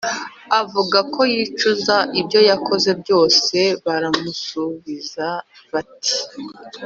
avugako yicuza ibyo yakoze byose baramusubiza bati: